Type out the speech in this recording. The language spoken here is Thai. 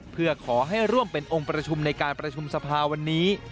เพื่อขอให้ร่วมเป็นองค์ประชุมในการประชุมสภาวันนี้